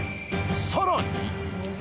［さらに］